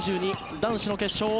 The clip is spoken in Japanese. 男子の決勝